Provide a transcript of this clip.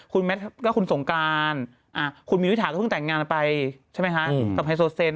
คุณแมทก็คุณสงการคุณมิวนิถาก็เพิ่งแต่งงานไปใช่ไหมคะกับไฮโซเซน